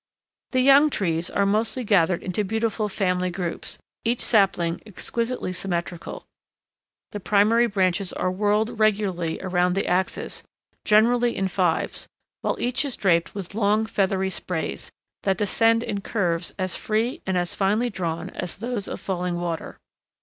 The young trees are mostly gathered into beautiful family groups, each sapling exquisitely symmetrical. The primary branches are whorled regularly around the axis, generally in fives, while each is draped with long, feathery sprays, that descend in curves as free and as finely drawn as those of falling water.